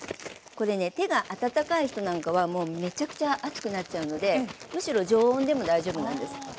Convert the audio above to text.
これね手が温かい人なんかはもうめちゃくちゃ熱くなっちゃうのでむしろ常温でも大丈夫なんです。